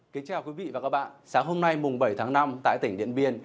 kính chào quý vị và các bạn sáng hôm nay mùng bảy tháng năm tại tỉnh điện biên